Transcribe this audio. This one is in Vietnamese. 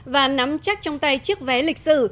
và nắm chắc trong tay chiếc vé lịch sử